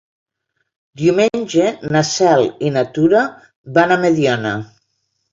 Diumenge na Cel i na Tura van a Mediona.